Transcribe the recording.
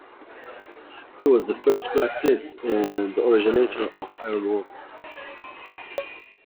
He was the first blacksmith and the originator of ironworking.